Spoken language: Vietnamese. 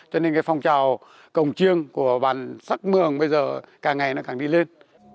cho nên phong trào cổng chiêng của bạn sắc mường bây giờ càng ngày càng đi lên